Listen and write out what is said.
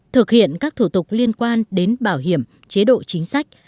thực hiện các thủ tục liên quan đến bảo hiểm chế độ chính sách